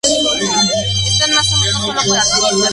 Están más o menos solo para turistas.